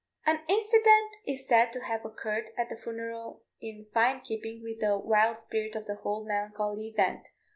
An incident is said to have occurred at the funeral in fine keeping with the wild spirit of the whole melancholy event.